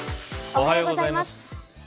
おはようございます。